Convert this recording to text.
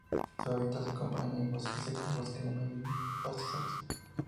Su hábitat se compone de bosque seco, bosque húmedo y pastizales.